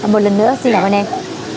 một lần nữa xin cảm ơn em